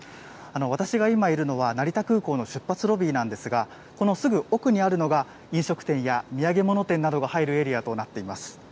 私が今いるのは、成田空港の出発ロビーなんですが、このすぐ奥にあるのが、飲食店や土産物店などが入るエリアとなっています。